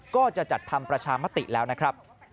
ก็จะจัดทำประชามติแล้วนะครับ